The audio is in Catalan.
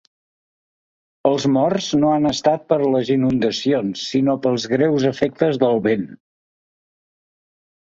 Els morts no han estat per les inundacions sinó pels greus efectes del vent.